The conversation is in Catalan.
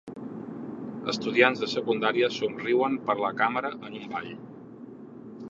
Estudiants de secundària somriuen per a la càmera en un ball.